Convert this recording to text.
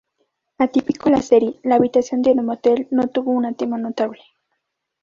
Atípico a la serie, la habitación de motel no tuvo un tema notable.